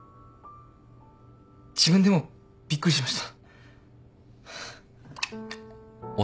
自分でもびっくりしました。